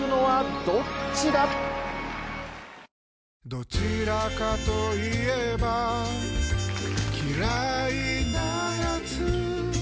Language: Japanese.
どちらかと言えば嫌いなやつ